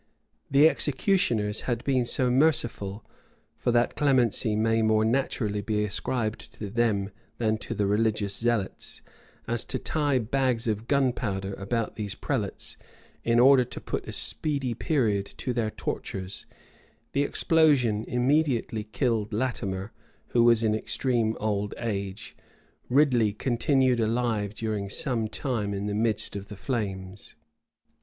The executioners had been so merciful (for that clemency may more naturally be ascribed to them than to the religious zealots) as to tie bags of gunpowder about these prelates, in order to put a speedy period to their tortures: the explosion immediately killed Latimer, who was in extreme old age; Ridley continued alive during some time in the midst of the flames.